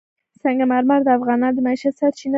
سنگ مرمر د افغانانو د معیشت سرچینه ده.